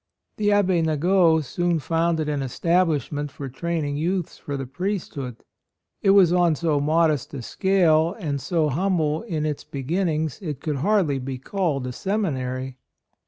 The Abbe Nagot soon founded an establishment for training youths for the priesthood; it was on so modest a scale and so humble in its beginnings it could 58 A ROYAL SON hardly be called a seminary.